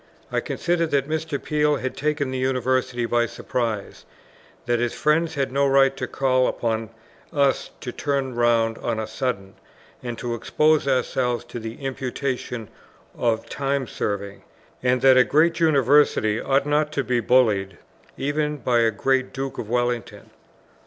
I considered that Mr. Peel had taken the University by surprise; that his friends had no right to call upon us to turn round on a sudden, and to expose ourselves to the imputation of time serving; and that a great University ought not to be bullied even by a great Duke of Wellington.